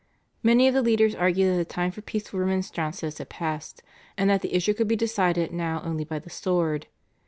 Many of the leaders argued that the time for peaceful remonstrances had passed, and that the issue could be decided now only by the sword.